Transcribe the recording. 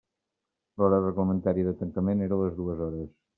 L'hora reglamentària de tancament era les dues hores.